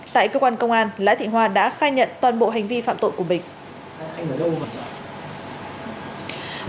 tại cơ quan công an lã thị hoa đã khai nhận toàn bộ hành vi phạm tội của bình